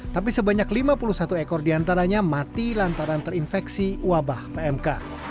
tapi sebanyak lima puluh satu ekor diantaranya mati lantaran terinfeksi wabah pmk